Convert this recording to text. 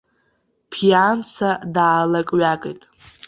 Ԥианца даалакҩакит.